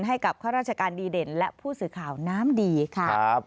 ข้าราชการดีเด่นและผู้สื่อข่าวน้ำดีค่ะ